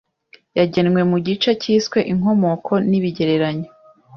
yagenwe mu gice cyiswe Inkomoko nibigereranyo